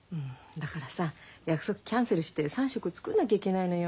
だからさ約束キャンセルして３食作んなきゃいけないのよ。